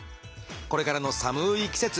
これからの寒い季節